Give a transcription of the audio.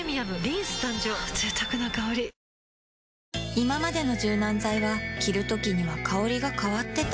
いままでの柔軟剤は着るときには香りが変わってた